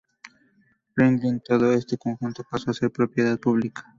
Ringling todo este conjunto pasó a ser propiedad pública.